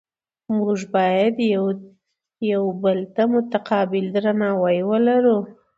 موږ باید یو بل ته متقابل درناوی ولرو